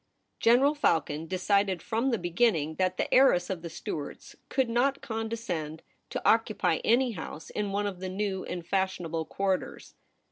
General Falcon de cided from the beginning that the heiress of the Stuarts could not condescend to occupy any house in one of the new and fashionable quarters.